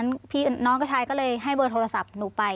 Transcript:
พี่น้องกระชายก็เลยให้เบอร์โทรศัพท์หนูไป